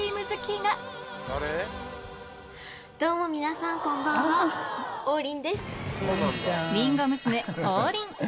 どうも皆さんこんばんは王林です。